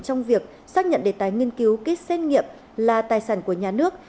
trong việc xác nhận đề tài nghiên cứu ký xét nghiệm là tài sản của nhà nước